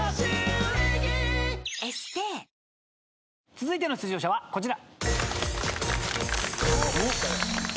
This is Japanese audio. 続いての出場者はこちら。